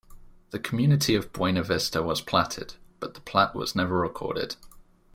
The community of Buena Vista was platted, but the plat was never recorded.